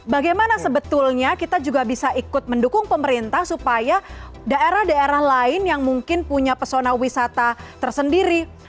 bagaimana sebetulnya kita juga bisa ikut mendukung pemerintah supaya daerah daerah lain yang mungkin punya pesona wisata tersendiri